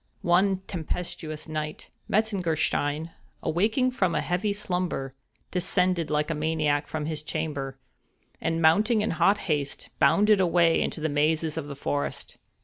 One tempestuous night, Metzengerstein, awaking from a heavy slumber, descended like a maniac from his chamber, and, mounting in hot haste, bounded away into the mazes of the forest.